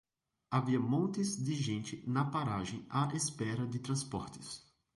Havia montes de gente na paragem à espera de transportes.